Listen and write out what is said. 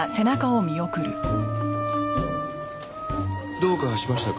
どうかしましたか？